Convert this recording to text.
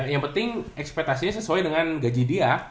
yang penting ekspetasinya sesuai dengan gaji dia